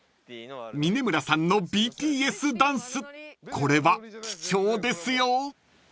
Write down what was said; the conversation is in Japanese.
［峯村さんのＢＴＳダンスこれは貴重ですよ］